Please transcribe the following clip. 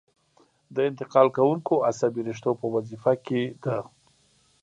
د انتقال کوونکو عصبي رشتو په وظیفه کې ده.